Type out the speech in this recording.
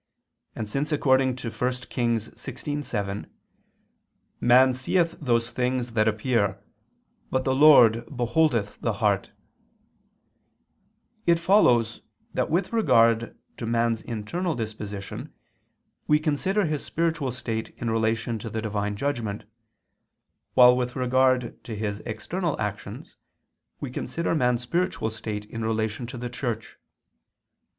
And since according to 1 Kings 16:7, "man seeth those things that appear, but the Lord beholdeth the heart," it follows that with regard to man's internal disposition we consider his spiritual state in relation to the Divine judgment, while with regard to his external actions we consider man's spiritual state in relation to the Church.